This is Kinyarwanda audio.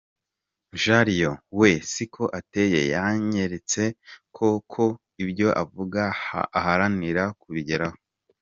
Jean Leon we siko ateye, yanyeretse ko ko ibyo avuga aharanira kubigeraho.